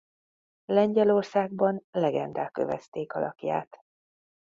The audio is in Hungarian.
Lengyelországban legendák övezték alakját.